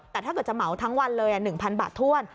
แต่ถ้าเกิดจะเหมาทั้งวันเลย๑๐๐บาทถ้วน